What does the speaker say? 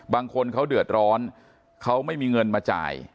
บางคนเขาเดือดร้อนเขาไม่มีเงินมาจ่าย